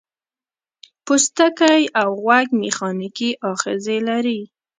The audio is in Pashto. پوستکی او غوږ میخانیکي آخذې لري.